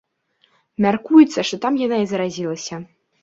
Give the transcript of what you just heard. Мяркуецца, што там яна і заразілася.